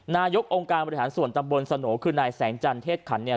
นายกองค์การบริหารส่วนตำบลสโหนคือนายแสงจันเทศขันเนี่ย